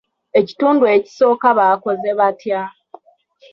Ekitundu ekisooka bakoze batya?